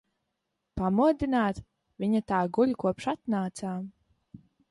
Pamodināt? Viņa tā guļ, kopš atnācām.